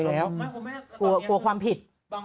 กลัวความผิด